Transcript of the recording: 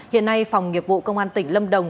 hiện nay phòng nghiệp vụ công an tỉnh lâm đồng